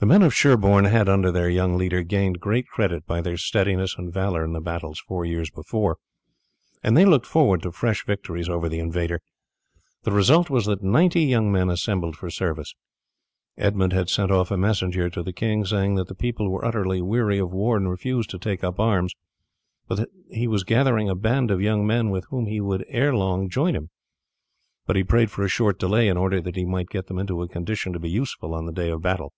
The men of Sherborne had under their young leader gained great credit by their steadiness and valour in the battles four years before, and they looked forward to fresh victories over the invader. The result was that ninety young men assembled for service. Edmund had sent off a messenger to the king saying that the people were utterly weary of war and refused to take up arms, but that he was gathering a band of young men with whom he would ere long join him; but he prayed for a short delay in order that he might get them into a condition to be useful on the day of battle.